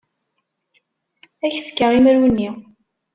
Ad ak-fkeɣ imru-nni.